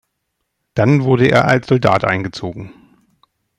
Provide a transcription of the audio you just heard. Dann wurde er als Soldat eingezogen.